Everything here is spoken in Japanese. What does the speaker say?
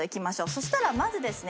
そしたらまずですね